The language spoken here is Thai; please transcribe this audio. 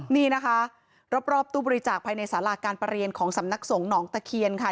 นี่นะคะรอบตู้บริจาคภายในสาราการประเรียนของสำนักสงฆ์หนองตะเคียนค่ะ